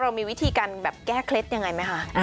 เรามีวิธีการแก้เคล็ดอย่างไรไหมคะ